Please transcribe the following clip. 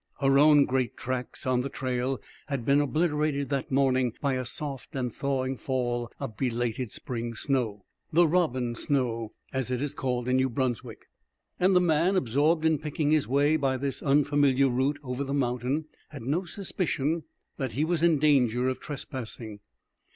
Her own great tracks on the trail had been obliterated that morning by a soft and thawing fall of belated spring snow "the robin snow," as it is called in New Brunswick and the man, absorbed in picking his way by this unfamiliar route over the mountain, had no suspicion that he was in danger of trespassing.